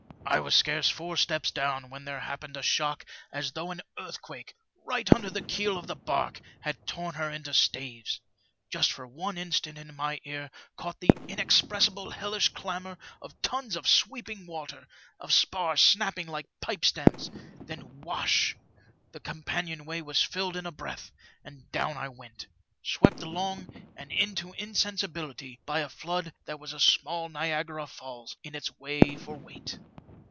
I was scarce four steps dovm when there happened a shock as though an earth quake, right under the keel of the barque, had torn her into staves. Just for one instant my ear caught the inexpressible hellish clamour of tons of sweeping water, of spars snapping like pipestems — ^then wash ! the com panion way was filled in a breath, and down I went, swept along and into insensibility by a flood that was a small Niagara Falls in its way for weight.